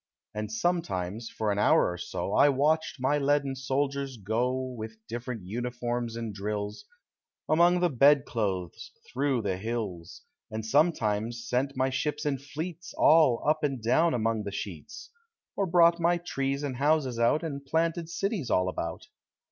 And sometimes for an hour or so I watched my leaden soldiers go, With different uniforms and drills. Among the bed clothes, through the hills; 108 POEMS OF HOME. And sometimes sent my ships in fleets All up and down among the sheets; Or brought my trees and houses out, And planted cities all about.